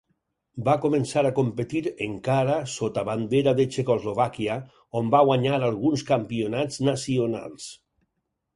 Va començar a competir encara sota bandera de Txecoslovàquia on va guanyar alguns campionats nacionals.